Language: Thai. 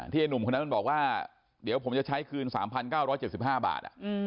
ไอ้หนุ่มคนนั้นมันบอกว่าเดี๋ยวผมจะใช้คืน๓๙๗๕บาท